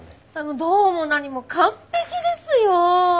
どうも何も完璧ですよ。